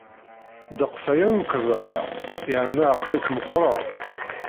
Ddeqs-aya ur k-ẓriɣ yerna aql-ik meqqreḍ.